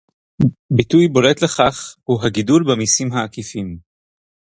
ביטוי בולט לכך הוא הגידול במסים העקיפים